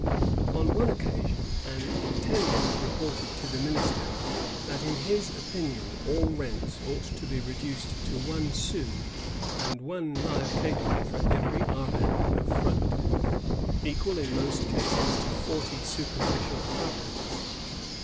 On one occasion an intendant reported to the minister, that in his opinion all rents ought to be reduced to one sou and one live capon for every arpent of front, equal in most cases to forty superfi cial arpents.